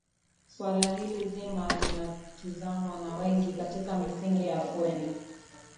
suala hili zima linatizamwa na wengi katika misingi ya afueni